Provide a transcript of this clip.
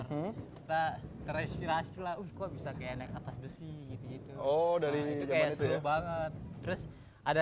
kita kerespirasi lah kok bisa kayak naik atas besi gitu oh dari zaman itu ya seru banget terus ada